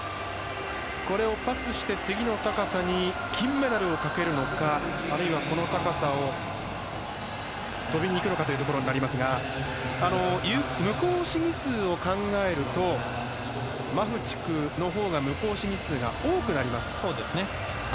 これをパスして、次の高さに金メダルをかけるのかあるいはこの高さを跳びにいくのかというところになりますが無効試技数を考えるとマフチフのほうが多くなります。